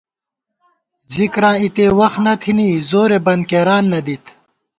ذِکراں اِتے وخت نہ تھنی، زورے بندکېران نہ دِت